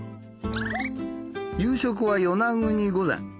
夕食は与那国御膳。